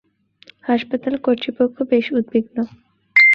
হাসপাতাল কর্তৃপক্ষ বেশ উদ্বিগ্ন!